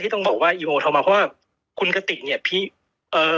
ต้องบอกว่าอีโอโทรมาเพราะว่าคุณกติกเนี่ยพี่เอ่อ